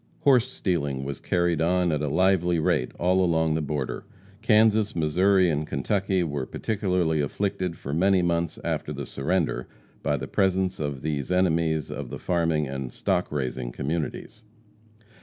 Horse stealing was carried on at a lively rate all along the border. Kansas, Missouri and Kentucky were particularly afflicted for many months after the surrender by the presence of these enemies of the farming and stock raising communities.